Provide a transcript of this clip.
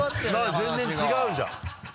全然違うじゃん。